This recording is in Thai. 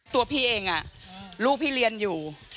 ตัวพี่เองลูกพี่เรียนอยู่